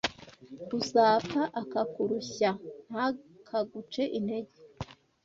Uzapfa akakurushya ntakaguce intege